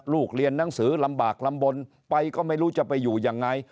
เรียนหนังสือลำบากลำบลไปก็ไม่รู้จะไปอยู่ยังไง